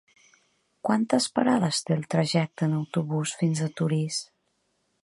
Quantes parades té el trajecte en autobús fins a Torís?